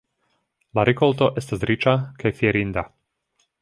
La rikolto estas riĉa kaj fierinda.